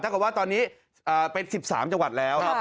ถ้าเกิดว่าตอนนี้เป็น๑๓จังหวัดแล้วครับ